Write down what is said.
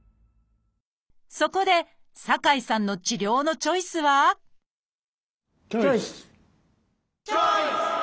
そこで酒井さんの治療のチョイスはチョイス！